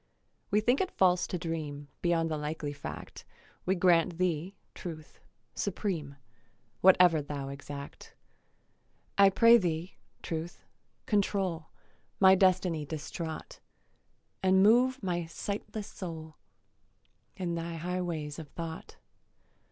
We think it false to dream Beyond the likely fact; We grant thee, Truth, supreme, Whatever thou exact. I pray thee, Truth, control My destiny distraught, And move my sightless soul In thy high ways of thought.